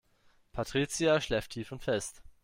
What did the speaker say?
Patricia schläft tief und fest.